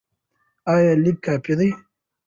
ایا لیک کافي دی؟